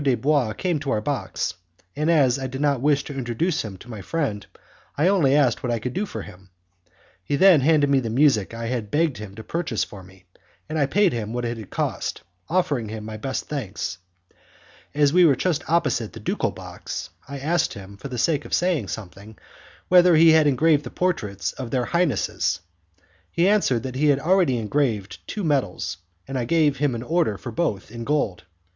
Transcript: Dubois came to our box, and as I did not wish to introduce him to my friend, I only asked what I could do for him. He then handed me the music I had begged him to purchase for me, and I paid him what it had cost, offering him my best thanks. As we were just opposite the ducal box, I asked him, for the sake of saying something, whether he had engraved the portraits of their highnesses. He answered that he had already engraved two medals, and I gave him an order for both, in gold.